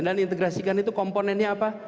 dan integrasikan itu komponennya apa